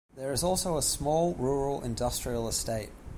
There is also a small rural industrial estate.